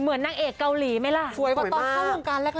เหมือนนั้นเอกเกาหลีไหมล่ะถ้าเข้าวงการแรก